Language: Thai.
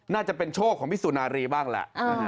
น่าจะเป็นโชคของพี่สุนารีบ้างแหละ